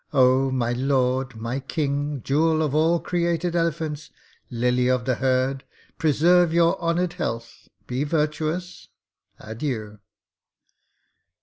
Oh, my lord, my king! Jewel of all created elephants, lily of the herd, preserve your honoured health; be virtuous. Adieu!'